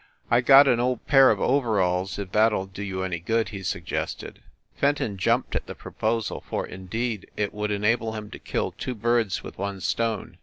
"I got an old pair of overalls, if that ll do you any good," he suggested. Fenton jumped at the proposal, for, indeed, it would enable him to kill two birds with one stone.